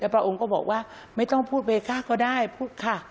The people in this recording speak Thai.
พระองค์ก็บอกว่าไม่ต้องพูดเวก้าก็ได้พูดค่ะ